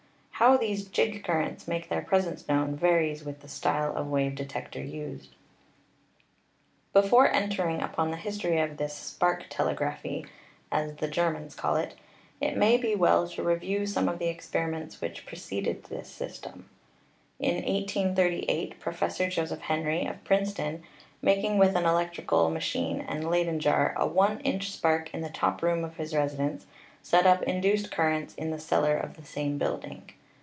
How these jig currents make their presence known varies with the style of wave detector used. 312 ELECTRICITY Before entering upon the history of this "spark tele graphy," as the Germans call it, it may be well to review some of the experiments which preceded this system. In 1838 Professor Joseph Henry, of Princeton, making with an electrical machine and Leyden jar a one inch spark in the top room of his residence, set up induced currents in the cellar of the same building.